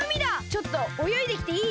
ちょっとおよいできていい？